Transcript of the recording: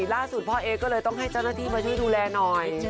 ล่าสุดพ่อเอ๊ก็เลยต้องให้เจ้าหน้าที่มาช่วยดูแลหน่อย